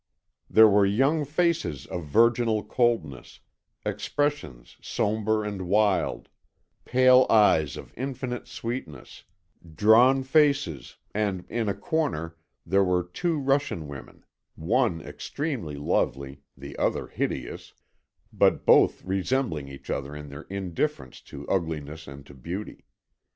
There were young faces of virginal coldness, expressions sombre and wild, pale eyes of infinite sweetness, drawn faces, and, in a corner, there were two Russian women, one extremely lovely, the other hideous, but both resembling each other in their indifference to ugliness and to beauty.